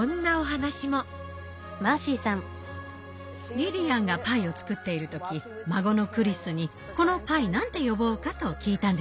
リリアンがパイを作っている時孫のクリスに「このパイ何て呼ぼうか？」と聞いたんですって。